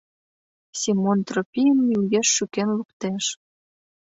Семон Тропийым мӧҥгеш шӱкен луктеш.